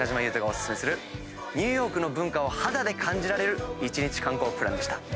裕翔がお薦めするニューヨークの文化を肌で感じられる１日観光プランでした。